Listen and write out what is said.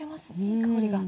いい香りが。